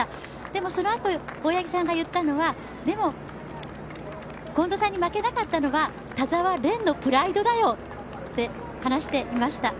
でもそのあと大八木さんが言ったのはでも、近藤さんに負けなかったのは田澤廉のプライドだよって話していました。